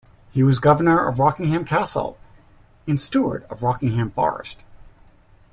He was Governor of Rockingham Castle and Steward of Rockingham Forest.